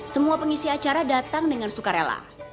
semua pengisi acara datang dengan sukarela